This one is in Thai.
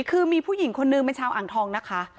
คือมีผู้หญิงคนนึงเป็นชาวอ่างทองนะคะ